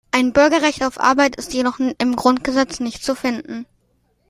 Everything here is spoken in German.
Ein Bürgerrecht auf Arbeit ist jedoch im Grundgesetz nicht zu finden.